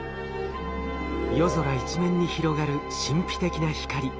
夜空一面に広がる神秘的な光。